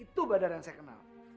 itu badar yang saya kenal